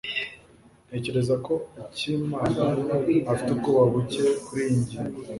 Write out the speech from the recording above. Ntekereza ko akimana afite ubwoba buke kuriyi ngingo.